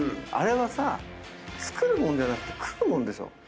あれはさ作るもんではなくて食うもんでしょ。